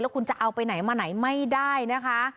คุณจะเอาไปไหนมาไหนไม่ได้นะคะ